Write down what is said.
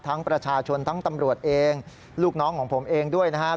ประชาชนทั้งตำรวจเองลูกน้องของผมเองด้วยนะครับ